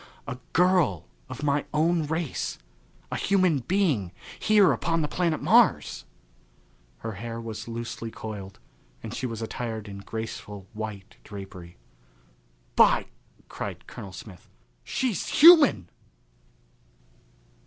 A girl of my own race: a human being here upon the planet Mars! Her hair was loosely coiled and she was attired in graceful white drapery. "By !" cried Colonel Smith, "she's human!"